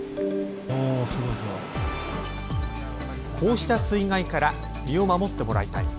こうした水害から身を守ってもらいたい。